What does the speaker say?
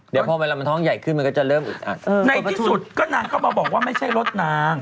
เดี๋ยวพอเวลามันท้องใหญ่ขึ้นมันก็จะเริ่มอึดอัดในที่สุดก็นางก็มาบอกว่าไม่ใช่รถนาง